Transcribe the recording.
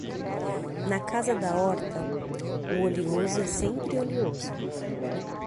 Na casa da horta, o oleoso é sempre oleoso.